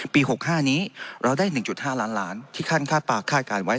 ปีหกห้านี้เราได้หนึ่งจุดห้านล้านล้านที่ท่านคาดปากคาดการณ์ไว้